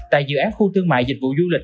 tại dự án khu thương mại dịch vụ du lịch